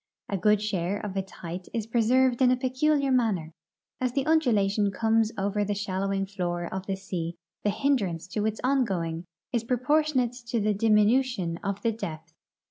A good share of its height is preserved in a peculiar manner: as the undulation comes over the shallowing floor of the sea the hindrance to its ongoing is proportionate to the dimi nution of the depth.